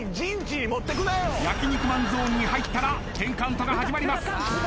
焼肉マンゾーンに入ったら１０カウントが始まります。